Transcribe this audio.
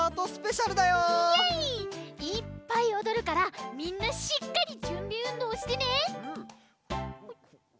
いっぱいおどるからみんなしっかりじゅんびうんどうしてね！